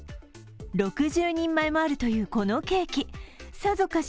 ６０人前もあるというこのケーキ、さぞかし